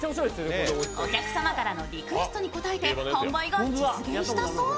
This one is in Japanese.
お客様からのリクエストに応えて販売が実現したそう、